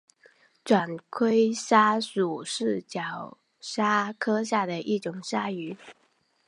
卷盔鲨属是角鲨科下的一属鲨鱼。